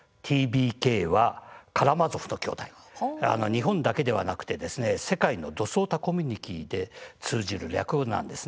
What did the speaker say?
日本だけではなく世界のドスオタコミュニティーで通じる略語なのです。